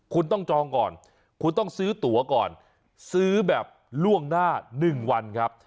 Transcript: คุณต้องจองก่อนคุณต้องซื้อตัวก่อนซื้อแบบล่วงหน้า๑วันครับ